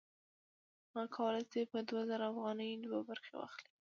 هغه کولی شي په دوه زره افغانیو دوه برخې واخلي